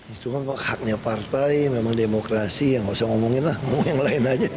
itu kan kok haknya partai memang demokrasi ya nggak usah ngomongin lah ngomong yang lain aja